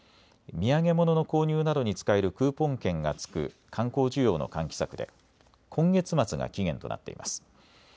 土産物の購入などに使えるクーポン券が付く観光需要の喚起策で今月末が期限となっています。